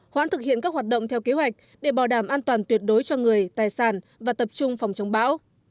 hoãn thực hiện các hoạt động theo kế hoạch để bảo đảm an toàn tuyệt đối cho người tài sản và tập trung phòng chống bão